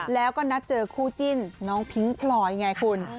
แล้วก็นัดเจอคู่จิ้นน้องพิ้งพลอยไงคุณ